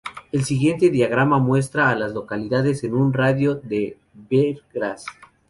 El siguiente diagrama muestra a las localidades en un radio de de Bear Grass.